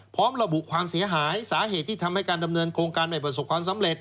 พร้อมระบุความเสียหายสาเหตุที่ทำให้การดำเนินโครงการไม่ประสบความสำเร็จ